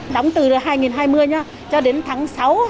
đóng từ hai nghìn hai mươi cho đến tháng sáu hai nghìn hai mươi một